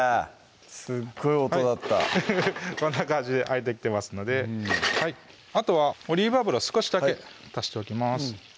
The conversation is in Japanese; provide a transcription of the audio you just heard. すっごい音だったフフフこんな感じで開いてきてますのであとはオリーブ油少しだけ足しておきます